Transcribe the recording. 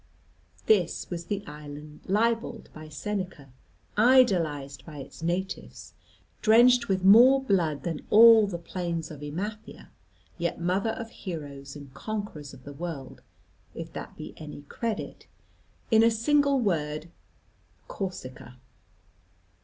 This was the island libelled by Seneca, idolised by its natives, drenched with more blood than all the plains of Emathia, yet mother of heroes and conquerors of the world if that be any credit in a single word, Corsica.